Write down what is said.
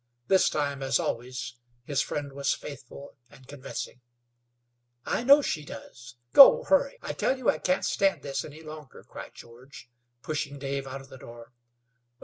This time, as always, his friend was faithful and convincing. "I know she does. Go hurry. I tell you I can't stand this any longer," cried George, pushing Dave out of the door.